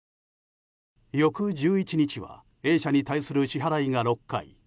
翌１１日は、Ａ社に対する支払いが６回。